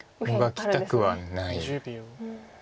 もがきたくはない。